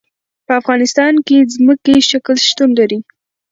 په افغانستان کې ځمکنی شکل شتون لري.